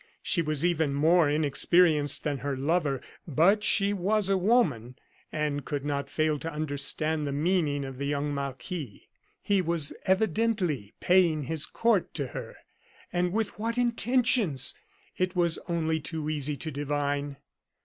She was even more inexperienced than her lover; but she was a woman, and could not fail to understand the meaning of the young marquis. He was evidently "paying his court to her." And with what intentions! It was only too easy to divine.